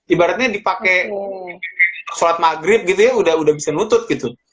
ibaratnya dipakai sholat maghrib gitu ya udah bisa nutut gitu